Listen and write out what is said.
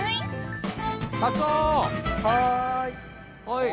はい！